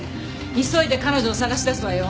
急いで彼女を捜し出すわよ。